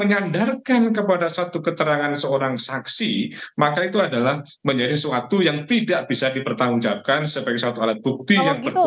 menyandarkan kepada satu keterangan seorang saksi maka itu adalah menjadi sesuatu yang tidak bisa dipertanggungjawabkan sebagai suatu alat bukti yang berbeda